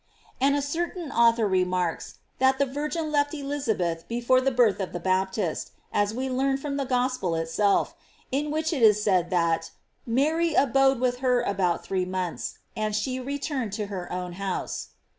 And a certain author remarks that the Virgin left Elizabeth before the birth of the Baptist, as we learn from the Gospel it self, in which it is said that "Mary abode with her about three months; and she returned to her own house.